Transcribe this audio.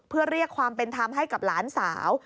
เพื่อเรียกความเป็นธรรมให้กับหลานสาว